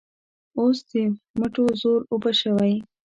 اوس د مټو زور اوبه شوی.